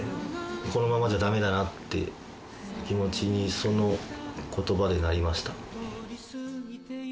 このままじゃダメだなって気持ちにその言葉でなりました。